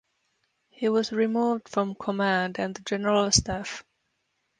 He was removed from command and the general staff.